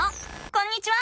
こんにちは！